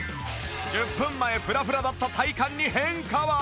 １０分前フラフラだった体幹に変化は？